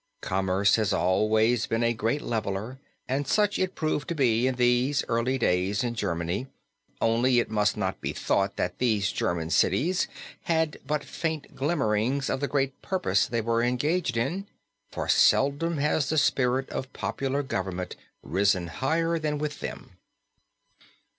Commerce has always been a great leveler and such it proved to be in these early days in Germany, only it must not be thought that these German cities had but faint glimmerings of the great purpose they were engaged in, for seldom has the spirit of popular government risen higher than with them.